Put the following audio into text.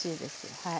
はい。